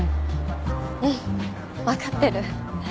うん分かってる